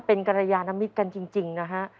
เป็นเรียนอะไรกันจริงนะฮะ